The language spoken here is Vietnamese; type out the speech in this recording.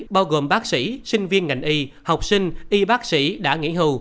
bao gồm bác sĩ sinh viên ngành y học sinh y bác sĩ đã nghỉ hưu